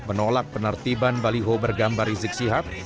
menolak penertiban baliho bergambar rizik sihab